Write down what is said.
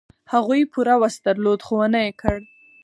هغوی پوره وس درلود، خو و نه کړ.